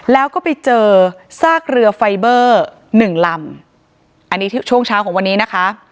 แล้วก็ไปเจอซากเรือไฟเบอร์หนึ่งลำอันนี้ช่วงเช้าของวันนี้นะคะ